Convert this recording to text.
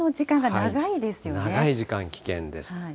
長い時間、危険です。